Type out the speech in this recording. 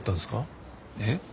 えっ？